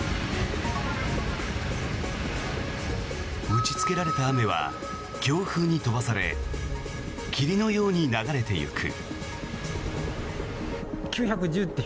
打ちつけられた雨は強風に飛ばされ霧のように流れていく。